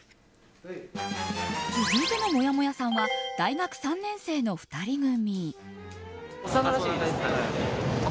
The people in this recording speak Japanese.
続いてのもやもやさんは大学３年生の２人組。